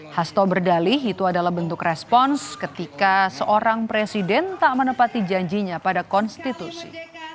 hasto berdalih itu adalah bentuk respons ketika seorang presiden tak menepati janjinya pada konstitusi